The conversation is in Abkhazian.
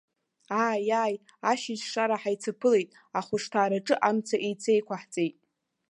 Ааи, ааи, ашьыжьшара ҳаицаԥылеит, ахәышҭаараҿы амца еицеиқәаҳҵеит!